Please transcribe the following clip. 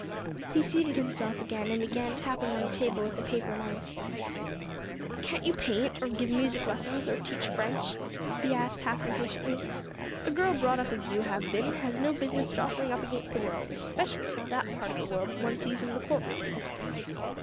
He seated himself again, and began tapping on the table with a paper knife. "Can't you paint, or give music lessons, or teach French?" he asked, half impatiently. "A girl brought up as you have been has no business jostling up against the world, especially the part of a world one sees in the court room."